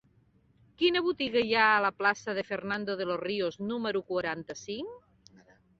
Quina botiga hi ha a la plaça de Fernando de los Ríos número quaranta-cinc?